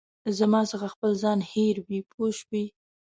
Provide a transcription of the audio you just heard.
زما څخه خپل ځان هېروې پوه شوې!.